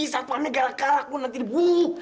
satu anaknya galak galak lo nanti diburu